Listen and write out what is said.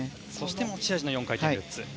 持ち味の４回転ルッツ。